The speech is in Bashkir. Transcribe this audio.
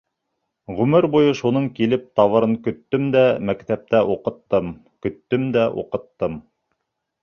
Ғүмер буйы шуның килеп табырын көттөм дә мәктәптә уҡыттым, көттөм дә уҡыттым.